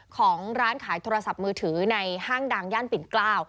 ของร้านขายโทรศัพท์มือถือในห้างดังย่านปิ่นเกล้า